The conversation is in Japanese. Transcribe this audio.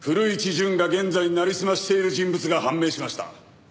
潤が現在なりすましている人物が判明しました。